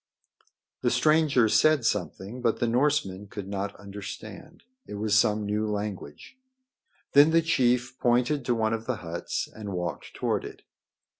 The stranger said something, but the Norsemen could not understand. It was some new language. Then the chief pointed to one of the huts and walked toward it.